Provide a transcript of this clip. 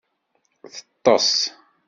Teṭṭes.